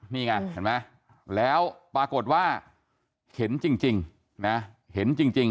นี่ไงเห็นไหมแล้วปรากฏว่าเห็นจริงนะเห็นจริง